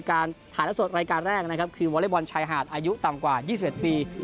การถ่ายละสดรายการแรกนะครับคือวอเล็กบอลชายหาดอายุต่ำกว่า๒๑ปี